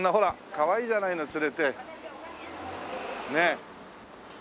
かわいいじゃないの連れてねえ。